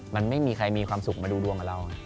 มันไม่มีใครมีความสุขมาดูดวงกับเรา